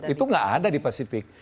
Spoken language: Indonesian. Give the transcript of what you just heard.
itu nggak ada di pasifik